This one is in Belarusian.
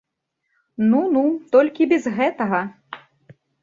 Ну, ну, толькі без гэтага!